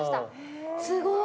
すごい。